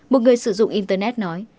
một người sử dụng internet nói